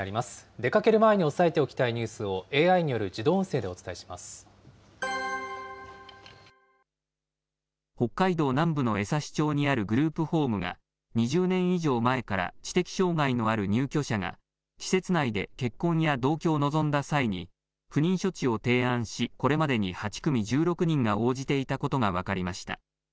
出かける前に押さえておきたいニュースを、ＡＩによる自動音声で北海道南部の江差町にあるグループホームが、２０年以上前から知的障害のある入居者が、施設内で結婚や同居を望んだ際に、不妊処置を提案し、これまでに８組１６人が応じていたことが分かりました。